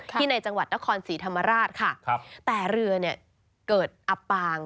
ในจังหวัดนครศรีธรรมราชค่ะครับแต่เรือเนี่ยเกิดอับปาง